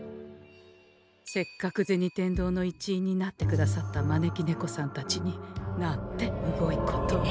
せっかく銭天堂の一員になってくださった招き猫さんたちになんてむごいことを。